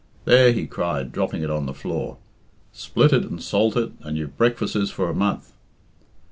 "There!" he cried, dropping it on the floor, "split it and salt it, and you've breakfas'es for a month."